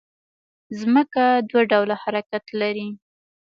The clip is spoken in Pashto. ځمکه دوه ډوله حرکت لري